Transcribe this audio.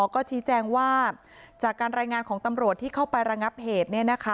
ก็ชี้แจงว่าจากการรายงานของตำรวจที่เข้าไประงับเหตุ